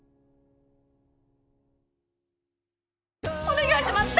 お願いします！